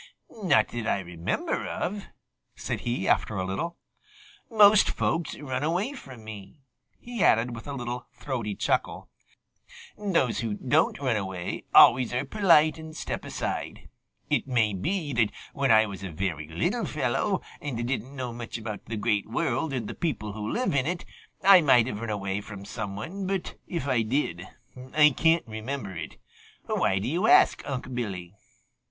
"Not that I remember of," said he after a little. "Most folks run away from me," he added with a little throaty chuckle. "Those who don't run away always are polite and step aside. It may be that when I was a very little fellow and didn't know much about the Great World and the people who live in it, I might have run away from some one, but if I did, I can't remember it. Why do you ask, Unc' Billy?"